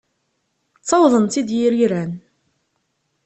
Ttawḍen-tt-id yiriran.